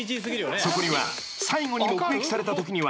［そこには］